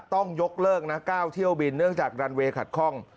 ต้องยกเลิกนะ๙เที่ยวบินเนื่องจากรันเวย์ขัดข้อง